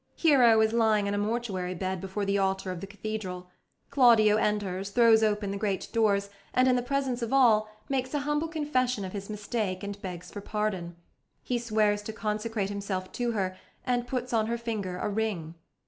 Hero is lying on a mortuary bed before the altar of the cathedral; Claudio enters, throws open the great doors, and, in the presence of all, makes a humble confession of his mistake and begs for pardon. He swears to consecrate himself to her, and puts on her finger a ring.